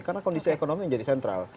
karena kondisi ekonomi yang jadi sentral